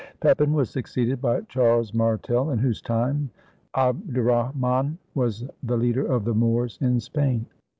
] Pepin was succeeded by Charles Martel, in whose time Abderrahman was the leader of the Moors in Spain.